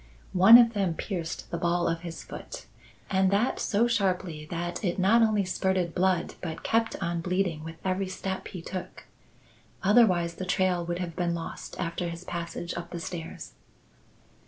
One of them pierced the ball of his foot, and that so sharply that it not only spurted blood but kept on bleeding with every step he took. Otherwise, the trail would have been lost after his passage up the stairs."